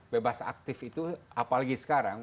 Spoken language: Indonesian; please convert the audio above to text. bebas aktif itu apalagi sekarang